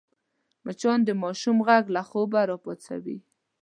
مچان د ماشوم غږ له خوبه راپاڅوي